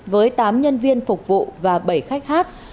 với tám nhân viên phục vụ và bảy khách hát